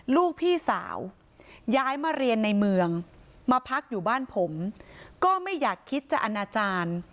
ลูกพี่สาวย้ายมาเรียนในเมืองมาพักอยู่บ้านผมก็ไม่อยากคิดจะอนาจารย์